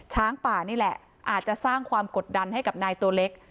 ช้างป่านี่แหละอาจจะสร้างความกดดันให้กับนายตัวเล็ก